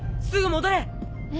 すぐ戻れ！え？